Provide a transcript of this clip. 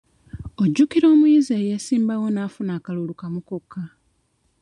Ojjukira omuyizi eyeesimbawo n'afuna akalulu kamu kokka?